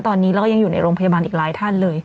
ตอนนี้เราก็ยังอยู่ในโรงพยาบาลอีกหลายท่านเลย